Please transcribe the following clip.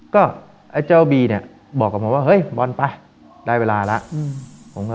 ก็ไอ้เจ้าบีเนี่ยบอกกับผมว่าเฮ้ยบอลไปได้เวลาแล้ว